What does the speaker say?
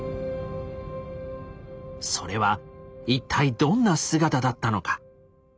それは一体どんな姿だったのか。